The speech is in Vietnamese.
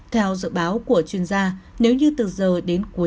theo dự báo của chuyên gia nếu như từ giờ đến cuối